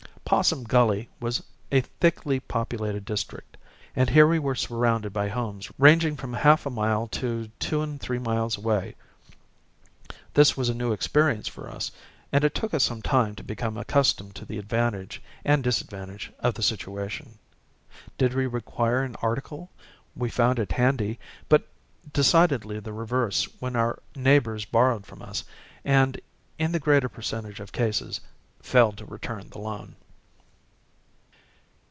Possum Gully was a thickly populated district, and here we were surrounded by homes ranging from half a mile to two and three miles away. This was a new experience for us, and it took us some time to become accustomed to the advantage and disadvantage of the situation. Did we require an article, we found it handy, but decidedly the reverse when our neighbours borrowed from us, and, in the greater percentage of cases, failed to return the loan.